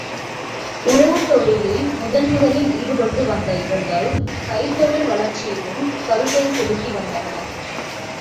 உழவுத் தொழிலில் முதன் முதலில் ஈடுபட்டு வந்த இவர்கள் கைத்தொழில் வளர்ச்சியிலும் கருத்தைச் செலுத்தி வந்தனர்.